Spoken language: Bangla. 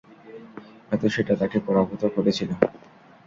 হয়ত সেটা তাকে পরাভূত করেছিল।